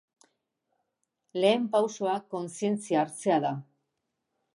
Lehen pausoa kontzientzia hartzea da.